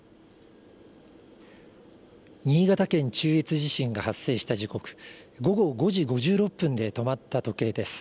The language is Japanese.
新潟県中越地震が発生した時刻、午後５時５６分で止まった時計です。